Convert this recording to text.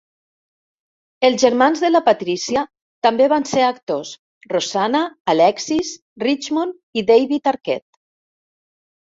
Els germans de la Patricia també van ser actors: Rosanna, Alexis, Richmond i David Arquette.